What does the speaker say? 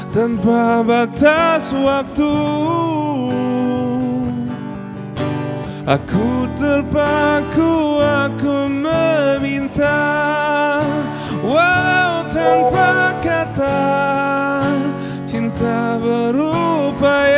tanpa batas waktu aku tepatku aku meminta wow tanpa kata cinta berupaya